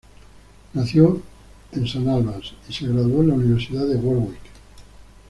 Nació en St Albans y se graduó en Universidad de Warwick.